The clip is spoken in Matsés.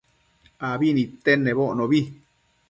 abi nidtenedbocnobi